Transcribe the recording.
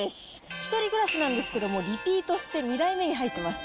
１人暮らしなんですけども、リピートして２代目に入っています。